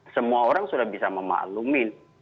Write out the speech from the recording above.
semua orang sudah bisa memaklumin